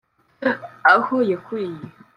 aho yakuriye